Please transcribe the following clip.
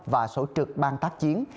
và sổ trực ban tác chiến